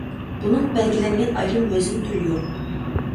بۇنىڭ بەلگىلەنگەن ئايرىم ۋەزىن تۈرى يوق.